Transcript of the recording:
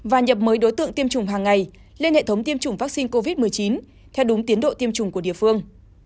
và nhập mới đối tượng tiêm chủng hàng ngày lên hệ thống tiêm chủng vaccine covid một mươi chín theo đúng tiến độ tiêm chủng của địa phương